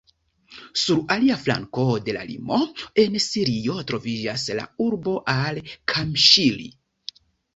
Sur alia flanko de la limo, en Sirio troviĝas la urbo al-Kamiŝli.